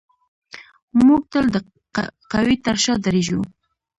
موږ تل د قوي تر شا درېږو.